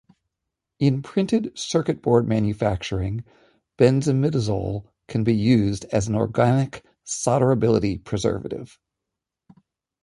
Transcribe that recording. In printed circuit board manufacturing, benzimidazole can be used as a organic solderability preservative.